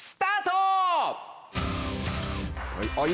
はい！